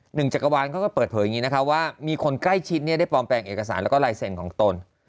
จักรวาลเขาก็เปิดเผยอย่างนี้นะคะว่ามีคนใกล้ชิดได้ปลอมแปลงเอกสารแล้วก็ลายเซ็นต์ของตน